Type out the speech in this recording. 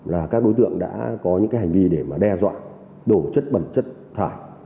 là các đối tượng đã có những hành vi để đe dọa đổ chất bẩn chất thải